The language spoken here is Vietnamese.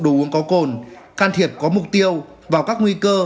đồ uống có cồn can thiệp có mục tiêu vào các nguy cơ